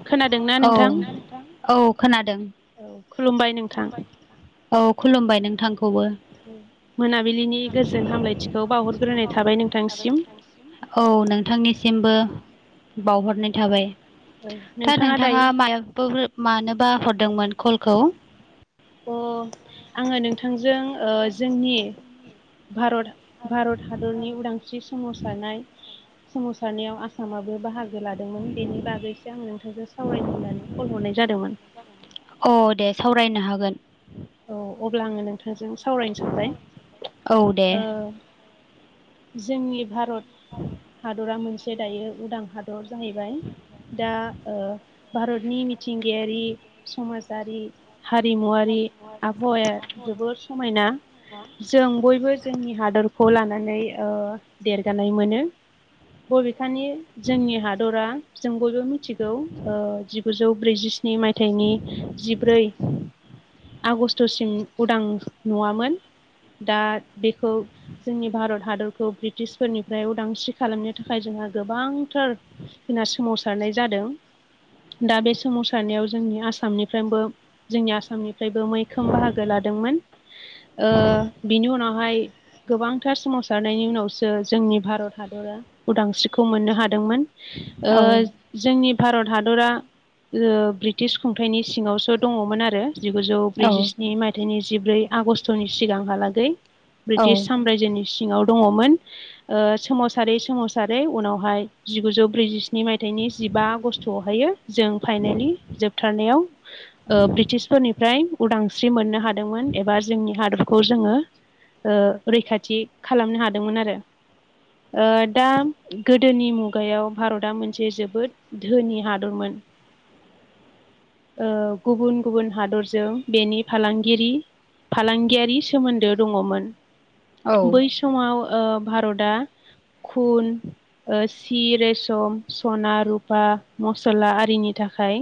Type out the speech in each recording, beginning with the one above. खोनादोंना औ नोंथां औ खोनादों औ खुलुमबाय नोंथां। औ खुलुमबाय नोंथांखौबो। मोनाबिलिनि गोजोन हामलायथिखौ बावहरग्रोनाय थाबाय नोंथांनिसिम। औ नोंथांनिसिमबो बावहरनाय थाबाय। दा नोंथाङा माफोर मानोबा हरदोंमोन कलखौ? अ आङो नोंथांजों ओ जोंनि भारत भारत हादरनि उदांस्रि सोमावसारनाय सोमावसारनायाव आसामाबो बाहागो हागो लादोंमोन बेनि बागैसो आं नोंथांजों सावरायनो होननानै कल हरनाय जादोंमोन। अ दे सावरायनो हागोन। औ अब्ला आङो नोंथांजों सावरायनो सानबाय। औ दे ओ जोंनि भारत हादरा मोनसे दायो उदां हादर दर जाहैबाय दा ओ भारतनि मिथिंगायारि समाजारि हारिमुवारि आबहावाया जोबोर समायना जों बयबो जोंनि हादरखौ लानानै ओ देरगानाय मोनो बबेखानि जोंनि हादरा जों बयबो मिथिगौ जिगुजौ ब्रैजिस्नि स्नि मायथाइनि जिब्रै आगस्ट'सिम उदां नुवामोन दा बेखौ जोंनि भारत हादर। खौ ब्रिटिसफोरनिफ्राय उदांस्रि खालामनो थाखाय जोंहा गोबांथार जोंना सोमावसारनाय जादों दा बे सोमावसारनायाव जोंनि आसामनिफ्रायबो जोंनि आसामनिफ्रायबो मैखोम बाहागो लादोंमोन। ओ बिनि उनावहाय गोबांथार सोमावसार नायनि उनावसो जोंनि भारत हादरा उदांस्रिखौ मोननो हादोंमोन ओ औ जोंनि भारत हादरा ओ ब्रिटिस खुंथाइनि सिङावसो दङमोन आरो जिगुजौ औ ब्रैजिस्नि मायथाइनि जिब्रै आगष्टनि सिगांहालागै ब्रिटिश सा रायजोनि सिङाव दङमोन। ओ सोमावसारै सोमावसारै उनावहाय जिगुजौ ब्रैजिस्नि मायथाइनि जिबा आगष्टआवहायो। जों फाइनेलि जोबथारनायाव ब्रिटिसफोरनिफ्राय उदांस्रि मोननो हादोंमोन एबा जोंनि हादरखौ जोङो। रैखाथि खालामनो हादोंमोन आरो दा गोदोनि मुगायाव भारतआ मोनसे जोबोद धोनि हादरमोन ओ गुबुन गुबुन हादरजों बेनि फालांगिरि फालांगियारि सोमोन्दो दङमोन। औ बै समाव ओ भारतआ खुन ओ सि रेसम सना रुपा मस्ला आरिनि थाखाय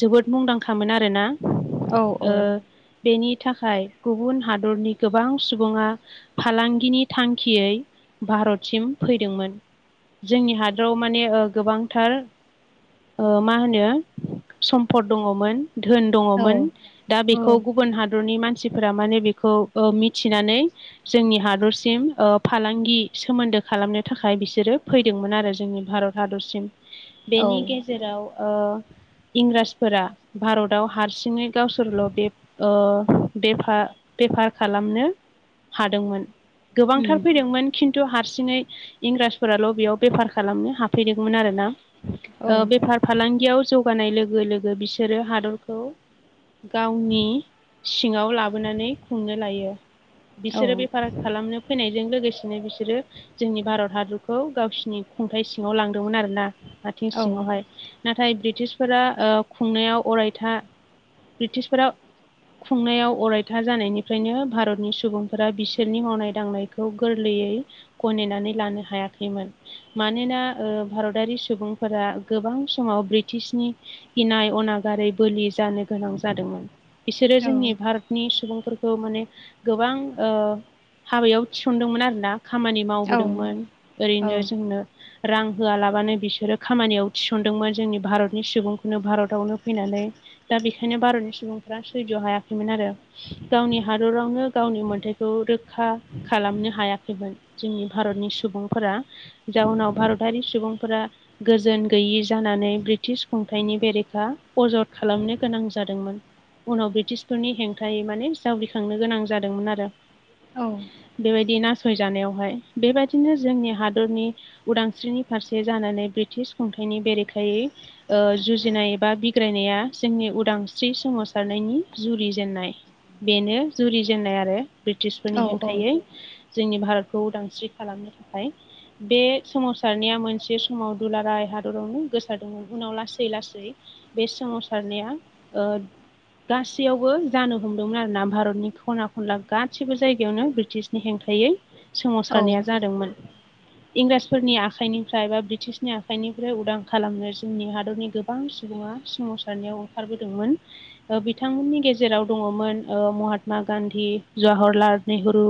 जोबोद मुंदांखामोन आरोना औ ओ औ बेनि थाखाय गुबुन हादरनि गोबां सुबुङा फालांगिनि थांखियै भारतसिम फैदोंमोन जोंनि हादराव माने गोबांथार मा होनो सम्फद दङमोन धोन औ दङमोन दा औ बेखौ गुबुन हादरनि मानसि मानसिफोरा माने बेखौ मिथिनानै जोंनि हादरसिम फालांगि सोमोन्दो। खालामनो थाखाय बिसोरो फैदोंमोन आरो जोंनि भारत हादरसिम औ बेनि गेजेराव इंराजफोरा भारताव हारसिङै गावसोरल' बे ओ बेफा बेफार खालामनो हादोंमोन उम गोबांथार फैदोंमोन खिन्थु हारसिङै इंराजफोराल' बेयाव बेफार खालामनो हाफैदोंमोन आरोना औ ओ बेफार फालांगियाव जौगानाय लोगो लोगो बिसोरो हादरखौ। गावनि सिङाव लाबोनानै खुंनो लायो औ बिसोरो बेफार खालामनो फैनायजों लोगोसेनो बिसोरो जोंनि भारत हादरखौ गावसिनि खुंथायाइ सिङाव लांदोंमोन आर ना आथिं औ सिङावहाय नाथाय ब्रिटिशफोरा खुंनायाव अरायथा ब्रिटिशफोरा खुंनायाव अरायथा जानायनिफ्रायनो भारतनि सुबुं फोर बिसोरनि मावनाय दांनायखौ गोरलैयै गनायनानै लानो हायाखैमोन मानोना भारतारि सुबुंफोरा गोबां समाव ब्रिटिशनि गिनाय अनागारै बोलि जानो गोनां जादोंमोन बिसोरो जोंनि भारतनि सुबुंफोरखौ माने गोबां ओ हाबायाव थिसनदोंमोन आरोना खामानि औ मावबोदोंमोन औ ओरैनो जोंनो। रां होआलाबानो बिसोरो खामानियाव थिसनदोंमोन। जोंनि भारतनि सुबुंखौनो भारतावनो फैनानै दा बेखायनो भारतनि सुबुंफ सैज' हायाखैमोन आरो गावनि हादरावनो गावनि मोनथाय। खौ रोखा खालामनो हायाखैमोन जोंनि भारतनि सुबुंफोरा। जाउनाव भारतारि सुबुंफोरा गोजोन गैयि जानानै ब्रिटिश खुंथाइनि बेरेखा अजद खालामनो गोनां जादोंमोन। उनाव ब्रिटिशफोरनि हेंथायै माने जावग्रिखांनो गोनां जादोंमोन आरो औ बेबायदि नासयजानायावहाय बेबायदिनो जोंनि हादरनि उदांस्रिनि फारसे जानानै ब्रिटिश खुंथाइनि बेरेखायै जुजिनाय एबा बिग्रायनाया जोंनि उदांस्रि सोमावसारनायनि जुरिजेननाय बेनो जुरिजेननाय आरो ब्रिटिशफोरनि औ हेंथायै जोंनि भारतखौ उदांस्रि खालामनो थाखाय बे सोमावसारनाया मोनसे समाव दुलाराय हादरावनो गोसारदोंमोन उनाव लासै लासै बे सोमावसारनाया ओ गासैयावबो जानो हमदोंमोन आर ना भारतनि खना खनला गासिबो जायगायावनो ब्रिटिशनि हेंथायै सोमावसारनाया जादोंमोन। इंराजफोरनि आखाइनिफ्राय बा ब्रिटिशनि आखाइनिफ्राय उदां खालामनो जोंनि हादरनि गो गोबां सुबुङा सोमावसारनायाव ओंखारबोदोंमोन। ओ बिथांमोननि गेजेराव दङमोन ओ महात्मा गान्धी जवाहरलाल नेहरु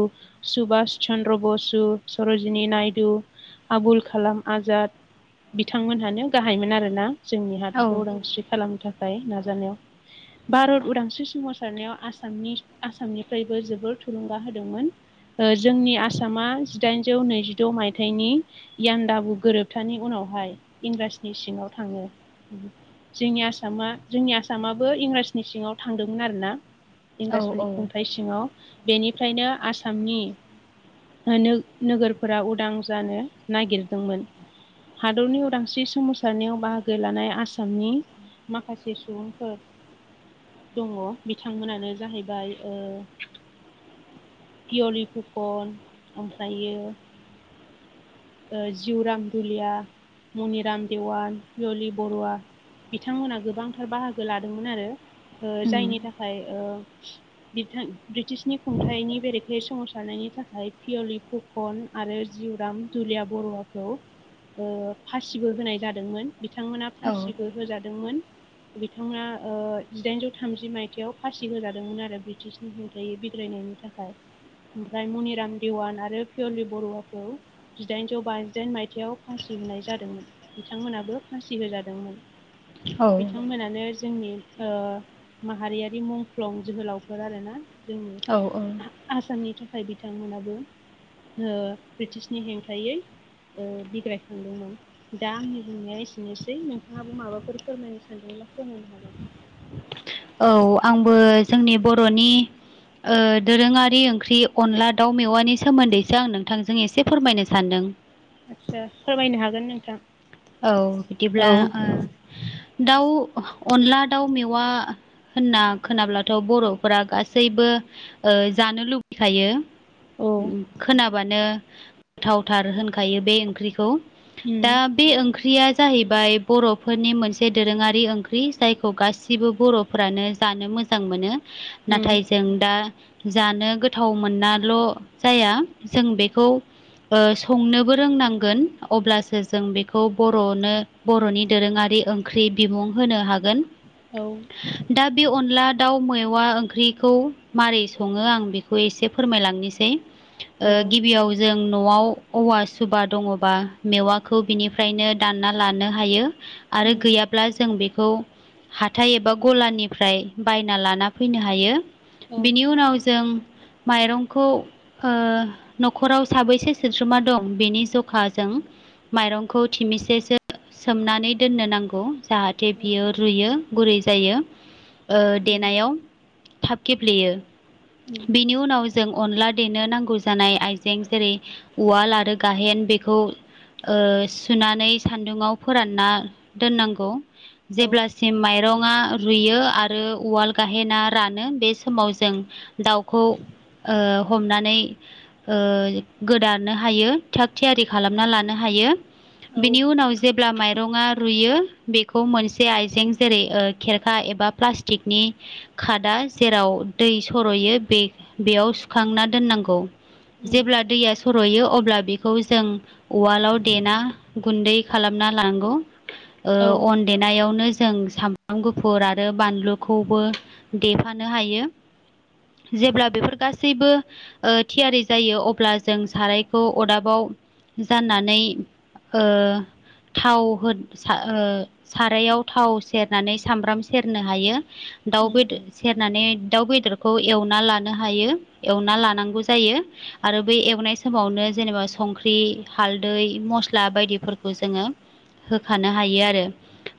सुबुबाास चन्द्र बसु सरजिनि ननायदु आबुल खालामा आजाद बिथांमोनहानो गाहायमोन आरोना। जोंनि औ हादरखौ उदांस्रि खालामनो थाखाय नाजानायाव भारत उदांस्रि सोमावसारनायाव आसामनिफ्राय जोबोर थुलुंगा होदोंमोन। ओ जोंनि आसामा जिदाइनजौ नैजिद' मायथाइनि इयान दाबु गोरोबथानि उनावहाय इंराजनि सिङाव थाङो। जोंनि आसामा जोंनि आसामाबो इंराजनि सिङाव थांदोंमोन आरोना। औ औ इंराजफोरनि खुंथायाइ सिङाव बेनिफ्रायनो आसामनि नोगोरफोरा उदां जानो नागिरदोंमोन। हादरनि उदांस्रि सोमावसारनायाव बाहागो लानाय आसामनि माखासे सुबुंफोर दङ बिथांमोनानो जाहैबाय पियलि फुखन ओमफ्रायो। जिउ राम दुलिया मनिराम देवान पियलि बरुवा बिथांमोनहा गोबांथार बाहागो लादोंमोन आरो उम जायनि थाखाय ओ ब्रिटिशनि खुंथाइनि बेरेखायै सोमावसारनायनि थाखाय पियलिफु खन आरो जिउराम दुुलिया बर'वखौ फासिबो होनाय जादोंमोन। बिथांमोना फासिबो होजादोंमोन। बिथाङा ओ जिदाइनजौ थामजि मायथाइयाव फासि होजादोंमोन आरो ब्रिटिशनि हेंथायै बिग्रायनायनि थाखाय ओमफ्राय मुनिराम देवान आरो पियलि बरुवाखौ जिदाइनजौ बाजिदाइन मायथयाव फासि होनाय जादोंमोन बिथांमोनाबो फासि होजादोंमोन। औ बिथांमोनानो जोंनि ओ माहारियारि मुंख्लं जोहोलावफोर आरोना। जों औ आसामनि थाखाय बिथांमोनाबो ओ ब्रिटिश नि हेंथायै बिग्रायखांदोंमोन। दा आंनि बुंनाया एसेनोसै नोंथाङाबो माबाफोर फोरमायनो सानदोंब्ला फोरमायनो हागोन। औ आंबो जोंनि बर'नि ओ दोरोङारि ओंख्रि अनला दाउ मेवानि सोमोन्दैसो आं नोंथांजों एसे फोरमायनो सान्दों। आदसा फोरमायनो हागोन नोंथां। औ बिदिब्ला औ दाउ अनला दाउ मेवा होनना खोनाब्लाथ' बर'फोरा गासैबो ओ जानो लुबैखायो। खोनाबानो गोथावथार होनखायो बे ओंख्रिखौ उम दा बे ओं ओंख्रिया जाहैबाय बर'फोरनि मोनसे दोरोङारि ओंख्रि जायखौ गासिबो बर' फोरानो जानो मोजां मोनो उम नाथाय जों दा जानो गोथाव मोननाल' जाया जों बेखौ ओ संनोबो रोंनांगोन अब्लासो जों बेखौ खौ बर'नो बर'नि दोरोङारि ओंख्रि बिमुं होनो हागोन। औ दा बे अनला दाउ मेवा ओंख्रिखौ मारै सङो आं बेखौ एसे फोरमायलांनोसै। ओ औ उम औ गिबियाव जों न'वाव औवा सुबा दङबा मेवाखौ बिनि बिनिफ्रायनो दानना लानो हायो आरो उम गैयाबा। जों बेखौ हाथाय एबा गलानिफ्राय बायना लाना फैनो हायो। बेनि उनाव जों माइरंखौ ओ नख'राव साबैसे सोद्रोमा दं बेनि जखाजों माइरं खौ थिसेसो सोमनानै दोननो नांगौ जाहाथे बियो रुयो गुरै जायो ओ देनायाव थाब गेब्लेयो उम बेनि उनाव जों अनला देनो नांगौ जानाय आइजें जेरै उवाल आरो गाहेन बेखौ ओ सुनानै सान्दुुङाव फोरानना दोननांगौ औ जेब्लासिम माइरं आ रुयो आरो उवाल गाहेना रानो बे समाव जों दाउखौ ओ हमनानै ओ गोदानो हायो थाग थियारि खालामना लानो हायो औ बिनि उनाव जेब्ला माइरङा रुयो बेखौ मोनसे आइजें जेरै ओ खेरखा एबा प्लास्टिकनि खादा जेराव दै सर'यो बेयाव सुखांना दोननांगौ। उम जेब्ला दैया सर'यो अब्ला बेखौ जों उवालाव देना गुन्दै खालामना लानांगौ ओ औ अन देनायावनो जों साम ब्राम गुफुर आरो बानलुखौबो देफानो हायो। जेब्ला बेफोर गासैबो ओ थियारि जायो अब्ला जों सारायखौ अरदाबाव जाननानै ओ थाव हो सा ओ सारायाव थाव सेरनानै सामब्राम सेरनो हायो दाउ उम उम बेदर सेरनानै दाउ बेदरखौ एवना लानो हायो एवना लानांगौ जायो। आरो बै एवनाय समावनो जेनेबा संख्रि, हाल्दै, मसला बायदिफोरखौ जोङो होखानो हायो आरो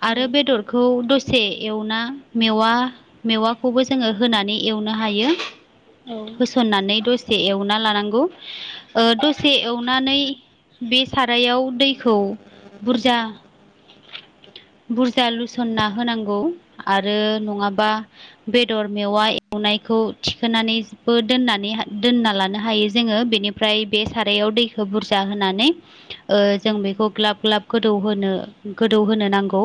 आरो बेदर खौ दसे एवना मेवा मेवाखौबो जोङो होनानै एवनो हायो। औ सननानै दसे एवना लानांगौ ओ दसे एवनानै बे सारायाव दैखौ बुरजा बुरजा लुसनना होनांगौ आरो नङाबा बेदर मेवा एवनायखौ थिखोनानैबो दोननानै दोनना लानो हायो जोङो बेनि फ्राय बे सारायाव दैखौ बुरजा होनानै ओ जों बेखौ ग्लाब ग्लाब गोदौहो गोदौ होनो नांगौ।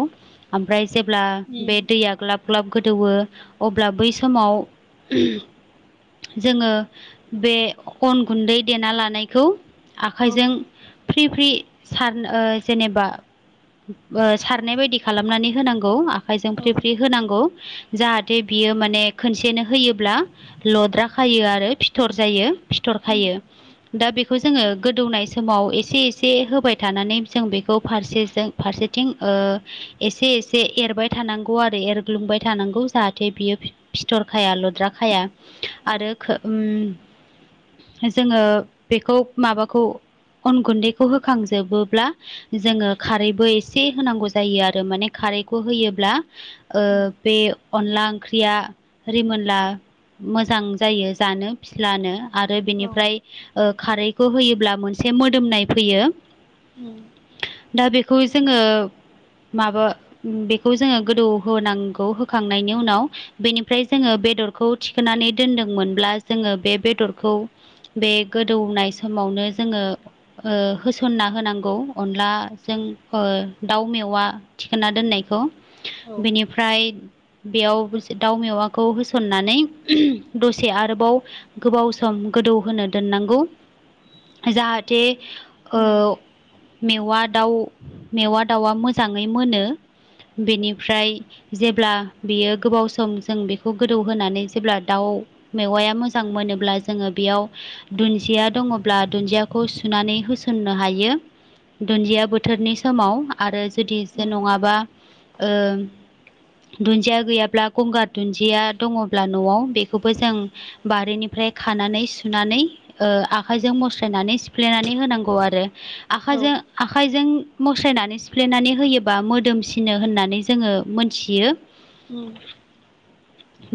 ओमफ्राय जेब्ला बे उम दैया ग्लाब ग्लाब गोदौवो अब्ला बै समाव जोङो बे अन गुन्दै देना लानायखौ आखाइजों फ्रि फ्रि सार ओ जेनेबा ओ सारनाय बायदि खालामनानै होनांगौ। आखाइजों औ फ्रि फ्रि होनांगौ जाहाथे बियो माने खोनसेनो होयोब्ला लद्रा खायो आरो फिथर जायो। औ थरखायो दा बेखौ जोङो गोदौनाय समाव एसे एसे बे होबाय थानानै जों बेखौ फारसेजों फारसेथिं ओ एसे एसे एरबाय थानांगौ आरो एरग्लुंबाय थानांगौ जाहाथे बियो फिथर खाया लद्राखाया आरो खो उम जोङो बेखौ माबाखौ अन गुन्दैखौ होखांजोबोब्ला जोङो खारैबो एसे होनांगौ जायो आरो माने खारैखौ होयोब्ला ओ बे अनला ओंख्रिया रिमोनला मोजां जायो जानो फिस्लानो। आरो औ बिनिफ्राय ओ खारैखौ होयोब्ला मोनसे मोदोमनाय फैयो। उम दा बेखौ जोङो माबा बेखौ जोङो गोदौ होनांगौ होखांनायनि उनाव बेनिफ्राय जोङो बेदरखौ थिखोनानै दोनदोंमोनब्ला जोङो बे बेदरखौ बे गोदौनाय समावनो जोङो ओ होसनना होनांगौ अनलाजों ओ दाउ मेवा थिखोनना दोननायखौ। बेनिफ्राय बेयाव दाउ मेवाखौ होसननानै दसे आरोबाव गोबाव सम गोदौहोनो दोननांगौ जाहाथे ओ मेवा दाउ मेवा दाउआ मोजाङै मोनो बेनिफ्राय जेब्ला बियो गोबाव सम जों बेखौ गोदौहोनानै जेब्ला दाउ मेवाया मोजां मोनोब्ला जोङो बेयाव दुन्दिया दङब्ला दुन्दिया खौ सुनानै होसननो हायो दुन्दिया बोथोरनि समाव। आरो जुदि जे नङाबा ओ दुन्दिया गैयाब्ला गंगार दुन्दिया दङब्ला न'आव बेखौबो जों बारिनिफ्राय खानानै सुनानै ओ आखाइजों मस्रायनानै सिफ्लेनानै होनांगौ आरो। आखाइजों आखाइजों मस्रायनानै सिफ्लेनानै होयोबा मोदोमसिनो होननानै जोङो मोनथियो। उम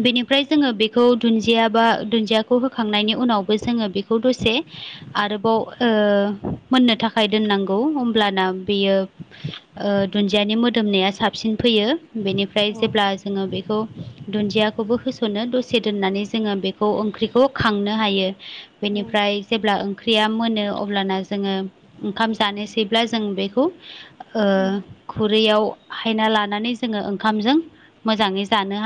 बेनिफ्राय जोङो बेखौ दुन्दिया बा दुन्दियाखौ होखांनायनि उनावबो जोङो बेखौ दसे आरोबाव ओ मोननो थाखाय दोननांगौ हमब्लाना बेयो ओ दुन्दियानि मोदोमनाया साबसिन फैयो बेनिफ्राय जेब्ला औ जोङो बेखौ दुन्दियाखौबो होस'नो दसे दोननानै जोङो बेखौ ओंख्रिखौ खांनो हायो। बेनिफ्राय जेब्ला ओंख्रिया मोनो नो अब्लाना जोङो ओंखाम जानोसैब्ला जों बेखौ ओ औ खुरैयाव हायना लानानै जोङो ओंखामजों मोजाङै जानो हायो।